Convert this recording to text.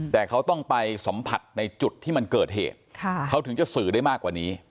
แต่เขาต้องไปสัมผัสในจุดที่มันเกิดเหตุเขาถึงจะสื่อได้มากกว่านี้